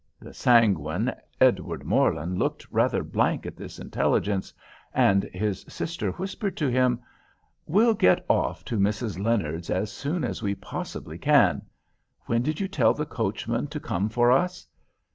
The sanguine Edward Morland looked rather blank at this intelligence, and his sister whispered to him, "We'll get off to Mrs. St. Leonard's as soon as we possibly can. When did you tell the coachman to come for us?"